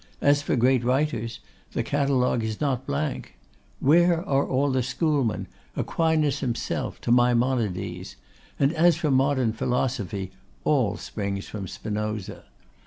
And as for great writers, the catalogue is not blank. What are all the schoolmen, Aquinas himself, to Maimonides? And as for modern philosophy, all springs from Spinoza.